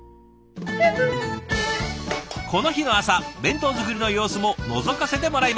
この日の朝弁当作りの様子ものぞかせてもらいました。